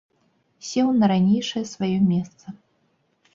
Сеў на ранейшае сваё месца.